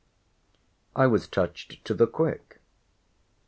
I was touched to the quick.